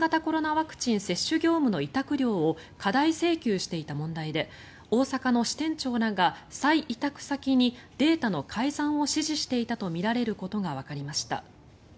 ワクチン接種業務の委託料を過大請求していた問題で大阪の支店長らが再委託先にデータの改ざんを指示していたとみられることがわかりました。